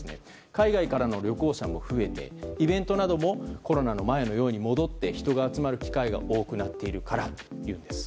海外からの旅行者も増えてイベントなどもコロナの前のように戻って人が集まる機会が多くなっているからということです。